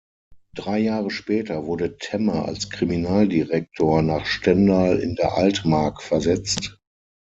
Drei Jahre später wurde Temme als Kriminaldirektor nach Stendal in der Altmark versetzt.